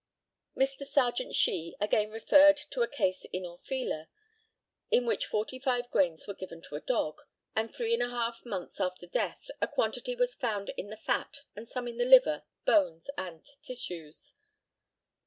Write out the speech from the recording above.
Mr. Serjeant SHEE again referred to a case in Orfila, in which forty five grains were given to a dog, and three and a half months after death a quantity was found in the fat, and some in the liver, bones, and tissues.